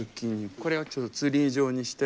これをちょっとツリー状にして。